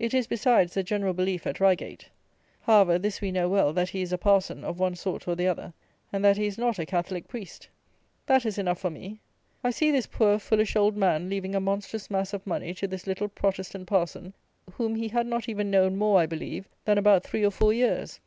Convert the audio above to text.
It is, besides, the general belief at Reigate. However, this we know well, that he is a parson, of one sort or the other, and that he is not a Catholic priest. That is enough for me. I see this poor, foolish old man leaving a monstrous mass of money to this little Protestant parson, whom he had not even known more, I believe, than about three or four years.